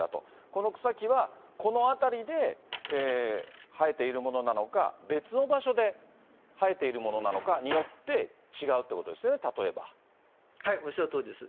この草木は、この辺りで生えているものなのか、別の場所で生えているものなのかによって違うということですよね、おっしゃるとおりです。